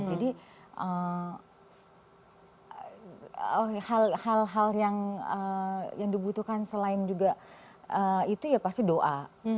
jadi hal hal yang dibutuhkan selain juga itu ya pasti doa